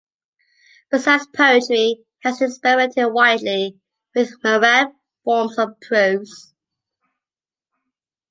Besides poetry, he has experimented widely with myriad forms of prose.